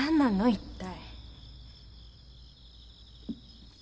一体。